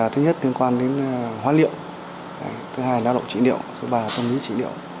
thứ nhất liên quan đến hóa liệu thứ hai là lao động trị điệu thứ ba là tâm lý trị điệu